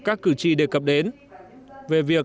các cử tri đề cập đến về việc